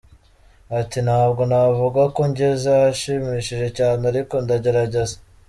Ati "Ntabwo navuga ko ngeze ahashimishije cyane ariko ndagerageza.